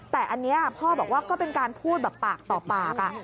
แต่อันนี้พ่อบอกว่าก็เป็นการพูดแบบปากต่อปาก